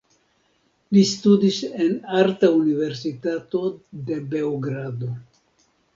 Li studis en arta universitato de Beogrado.